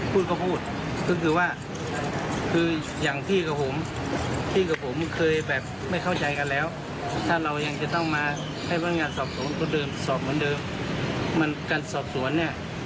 พวกวันผมก็เรียนท่านมุ่งกลับไปแล้วท่านก็รับปากว่าท่านจะเปลี่ยนพันธุ์งานสอบสวน